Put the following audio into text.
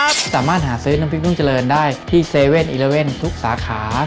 สามารถหาซื้อน้ำพริกนุ่งเจริญได้ที่๗๑๑ทุกสาขา